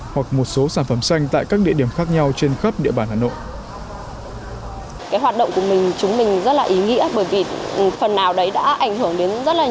hoặc một số sản phẩm xanh tại các địa điểm khác nhau trên khắp địa bàn hà nội